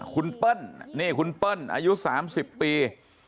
คุณเปิ้ลนี่คุณเปิ้ลอายุ๓๐ปี